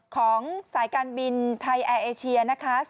ของสายการบินไทยแอร์เอเชีย๐๗๕๔๕๐๕๐๕